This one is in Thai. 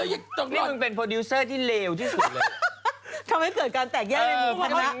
นี่มึงเป็นโปรดิวเซอร์ที่เลวที่สุดเลยทำให้เกิดการแตกแย่ในมุมพันธุ์แล้ว